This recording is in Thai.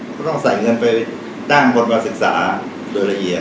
ก็ต้องใส่เงินไปจ้างบทธิศศาสตร์โดยระเยียบ